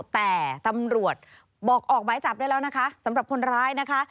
แต่ตำรวจบอกออกหมายจับได้แล้วนะคะสำหรับคนร้ายนะคะ